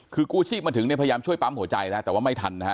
คือกู้ชีพมาถึงเนี่ยพยายามช่วยปั๊มหัวใจแล้วแต่ว่าไม่ทันนะฮะ